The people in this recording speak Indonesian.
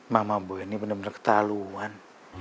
mama boy ini bener bener ketahuan